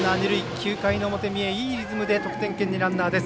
９回表、三重、いいリズムで得点圏にランナーです。